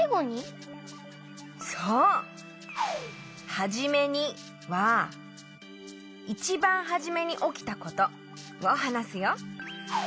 「はじめに」はいちばんはじめにおきたことをはなすよ。